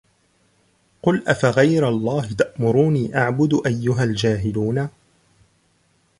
قُلْ أَفَغَيْرَ اللَّهِ تَأْمُرُونِّي أَعْبُدُ أَيُّهَا الْجَاهِلُونَ